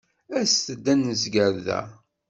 Aset-d ad nezger da.